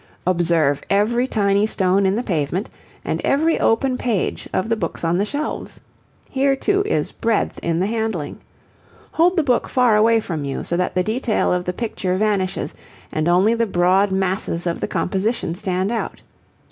Observe every tiny stone in the pavement, and every open page of the books on the shelves. Here, too, is breadth in the handling. Hold the book far away from you, so that the detail of the picture vanishes and only the broad masses of the composition stand out.